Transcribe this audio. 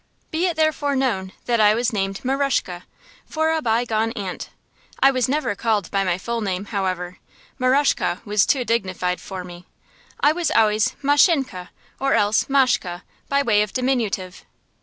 Be it therefore known that I was named Maryashe, for a bygone aunt. I was never called by my full name, however. "Maryashe" was too dignified for me. I was always "Mashinke," or else "Mashke," by way of diminutive.